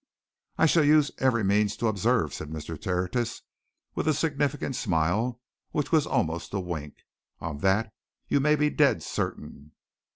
"I shall use every means to observe," said Mr. Tertius with a significant smile, which was almost a wink. "Of that you may be dead certain!"